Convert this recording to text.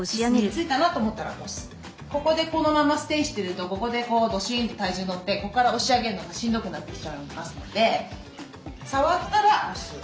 ここでこのままステイしてるとここでどしんと体重乗ってここから押し上げるのがしんどくなってきちゃいますので触ったら押す。